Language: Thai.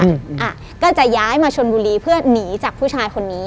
อ่ะก็จะย้ายมาชนบุรีเพื่อหนีจากผู้ชายคนนี้